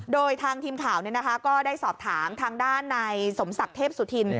โดยทางทีมข่าวก็ได้สอบถามทางด้านนายสมศักดิ์เทพสุธิน